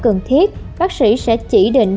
cần thiết bác sĩ sẽ chỉ định